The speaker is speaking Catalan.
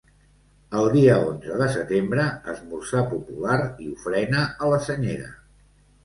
El dia onze de setembre, esmorzar popular i ofrena a la senyera.